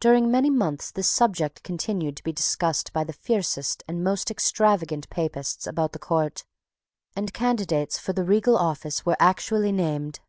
During many months this subject continued to be discussed by the fiercest and most extravagant Papists about the court; and candidates for the regal office were actually named.